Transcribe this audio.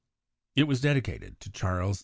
It was dedicated to Charles II.